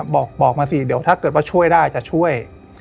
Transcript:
บอกมาสิเดี๋ยวถ้าเกิดว่าช่วยได้จะช่วย